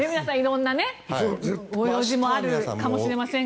色んなご用事もあるかもしれませんが。